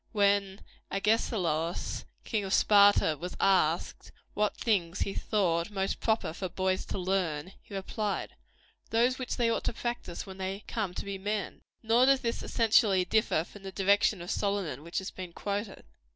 When Agesilaus, king of Sparta, was asked what things he thought most proper for boys to learn, he replied "Those which they ought to practise when they come to be men." Nor does this essentially differ from the direction of Solomon, which has been quoted.